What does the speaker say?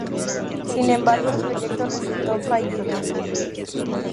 Sin embargo, el proyecto resultó fallido.